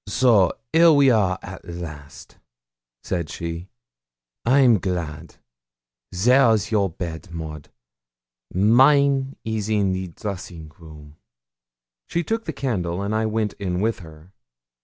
'So 'ere we are at last!' said she; 'I'm glad. There's your bed, Maud. Mine is in the dressing room.' She took the candle, and I went in with her.